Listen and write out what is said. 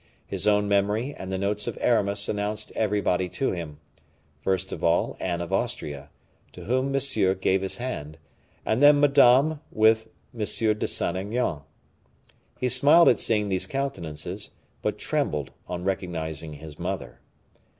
His own memory and the notes of Aramis announced everybody to him, first of all Anne of Austria, to whom Monsieur gave his hand, and then Madame with M. de Saint Aignan. He smiled at seeing these countenances, but trembled on recognizing his mother.